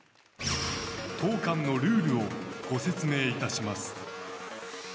当館のルールをご説明いたします。